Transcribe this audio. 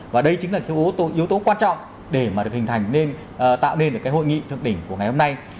và đây chính là yếu tố quan trọng để mà được hình thành nên tạo nên cái hội nghị thường đỉnh của ngày hôm nay